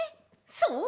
そう！